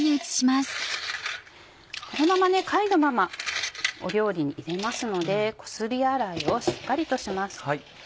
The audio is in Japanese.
このまま貝のまま料理に入れますのでこすり洗いをしっかりとします。